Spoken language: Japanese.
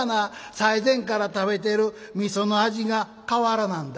最前から食べている味噌の味が変わらなんだ」。